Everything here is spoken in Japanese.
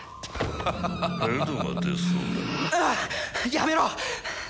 やめろ！